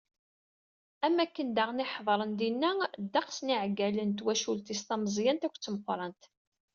Am wakken daɣen i ḥeḍren dinna ddeqs n yiɛeggalen n twacult-is tameẓẓyant akked tmeqqrant.